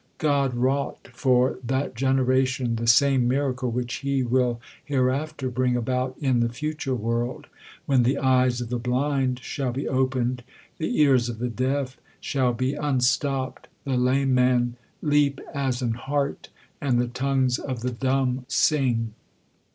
God wrought for that generation the same miracle which He will hereafter bring about in the future world, when "the eyes of the blind shall be opened, the ears of the deaf shall be unstopped, the lame man leap as an hart, and the tongues of the dumb sing."